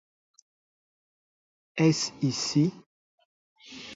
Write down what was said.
Est-ce ici?